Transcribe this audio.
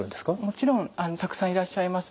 もちろんたくさんいらっしゃいます。